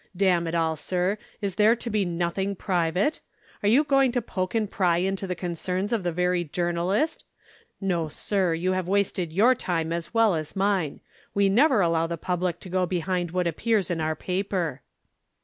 Damn it all, sir, is there to be nothing private? Are you going to poke and pry into the concerns of the very journalist? No, sir, you have wasted your time as well as mine. We never allow the public to go behind what appears in our paper."